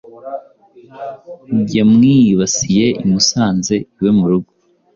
yamwibasiye imusanze iwe mu rugo